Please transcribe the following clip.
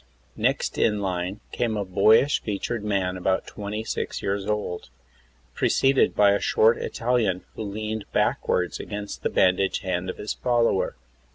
Next in line came a boyish featured man about 26 years old, preceded by a short Italian who leaned backward against the bandaged hand of his follower.